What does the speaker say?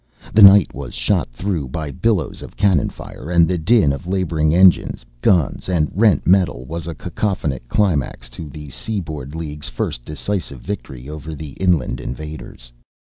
The night was shot through by billows of cannon fire, and the din of laboring engines, guns, and rent metal was a cacophonic climax to the Seaboard League's first decisive victory over the inland invaders.